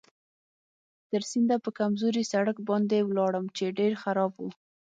تر سینده پر کمزوري سړک باندې ولاړم چې ډېر خراب و.